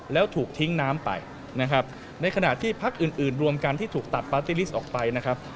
แล้วถูกทิ้งน้ำไปนะครับในขณะที่พักอื่นอื่นรวมกันที่ถูกตัดปาร์ตี้ลิสต์ออกไปนะครับ